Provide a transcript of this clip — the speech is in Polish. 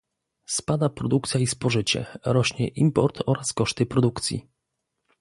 Spada produkcja i spożycie, rośnie import oraz koszty produkcji